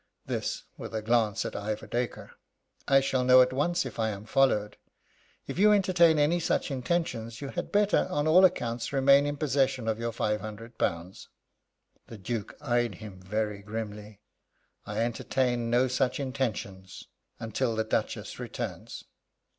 This with a glance at Ivor Dacre. "I shall know at once if I am followed. If you entertain any such intentions, you had better, on all accounts, remain in possession of your five hundred pounds." The Duke eyed him very grimly: "I entertain no such intentions until the Duchess returns."